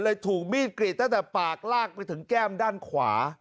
ถูกมีดกรีดตั้งแต่ปากลากไปถึงแก้มด้านขวา